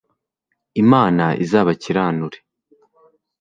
imana izabakiranure